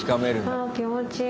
あ気持ちいい。